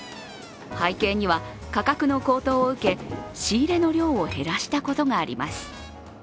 背景には価格の高騰を受け、仕入れの量を減らしたことがあります。